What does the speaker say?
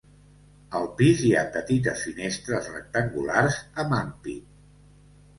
Al pis hi ha petites finestres rectangulars amb ampit.